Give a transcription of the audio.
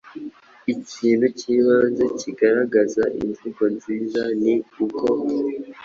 Ikintu cy’ibanze kigaragaza imvugo nziza ni uko